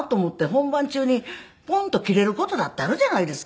本番中にポンとキレる事だってあるじゃないですか。